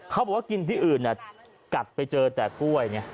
เขาบอกว่ากินที่อื่นกัดไปเจอแต่กล้วยไง